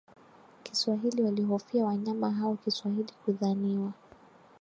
kiswahili walihofia wanyama hao kiswahili kudhaniwa